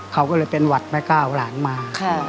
เค้าก็เลยเป็นหวัดไปก็เอาหลานมา